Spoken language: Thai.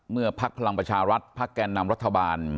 เมื่อภักดิ์พลังประชารัฐภักดิ์แก่นนำรัฐบาล